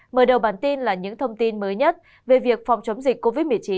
mở đầu bản tin là những thông tin mới nhất về việc phòng chống dịch covid một mươi chín